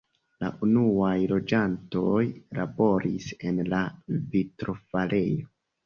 La unuaj loĝantoj laboris en la vitrofarejo.